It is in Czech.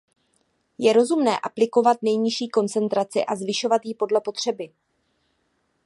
Je rozumné aplikovat nejnižší koncentraci a zvyšovat ji podle potřeby.